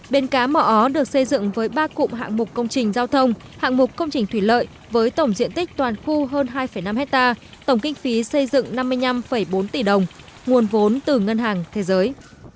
bến cá mỏ ó được xây dựng với ba cụm hạng mục công trình giao thông hạng mục công trình thủy lợi với tổng diện tích toàn khu hơn hai năm hectare tổng kinh phí xây dựng năm mươi năm bốn tỷ đồng nguồn vốn từ ngân hàng thế giới